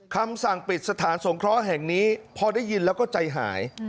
คำสั่งปิดสถานสงเคราะห์แห่งนี้พอได้ยินแล้วก็ใจหาย